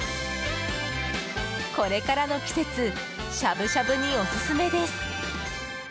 これからの季節しゃぶしゃぶにオススメです。